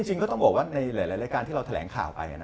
จริงก็ต้องบอกว่าในหลายรายการที่เราแถลงข่าวไป